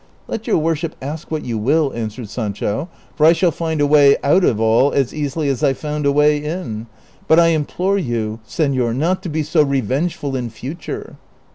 '' Let your worship ask what you will," answered Sancho, " for I shall find a way out of all as easily as I found a way in ; but I implore you, senor, not to be so revengeful in future."